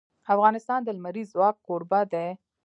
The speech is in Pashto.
افغانستان د لمریز ځواک کوربه دی.